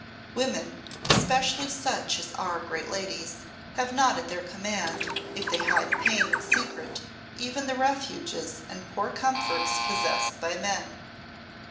Women, especially such as are great ladies, have not at their command, if they hide pain in secret, even the refuges and poor comforts possessed by men.